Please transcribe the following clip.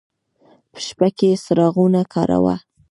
په شپه کې څراغونه کاروه.